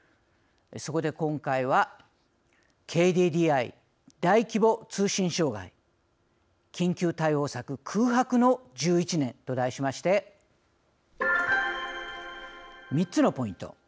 そこで、今回はＫＤＤＩ大規模通信障害緊急対応策空白の１１年と題しまして３つのポイント。